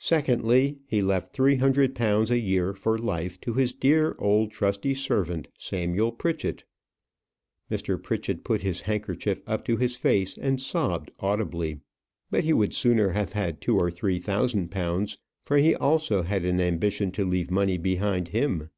Secondly, he left three hundred pounds a year for life to his dear, old, trusty servant, Samuel Pritchett. Mr. Pritchett put his handkerchief up to his face, and sobbed audibly. But he would sooner have had two or three thousand pounds; for he also had an ambition to leave money behind him.